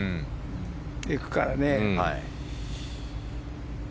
行くからね。